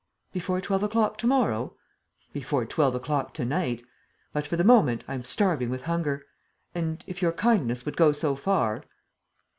"Before twelve o'clock to morrow?" "Before twelve o'clock to night. But, for the moment, I am starving with hunger. And, if your kindness would go so far.